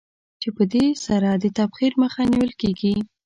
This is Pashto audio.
چې په دې سره د تبخیر مخه نېول کېږي.